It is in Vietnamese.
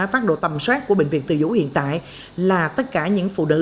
phát độ tầm soát của bệnh viện từ dũ hiện tại là tất cả những phụ nữ